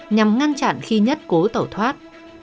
nhằm ngăn chặn khi nhất cố tẩu thoát